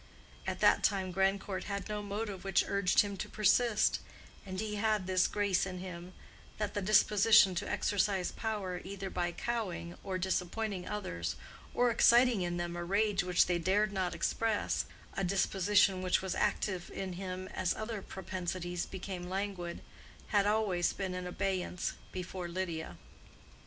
At that time Grandcourt had no motive which urged him to persist, and he had this grace in him, that the disposition to exercise power either by cowing or disappointing others or exciting in them a rage which they dared not express—a disposition which was active in him as other propensities became languid—had always been in abeyance before Lydia.